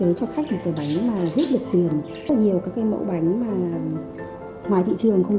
kế cho khách một cái bánh mà giúp được tiền rất nhiều các cái mẫu bánh mà ngoài thị trường không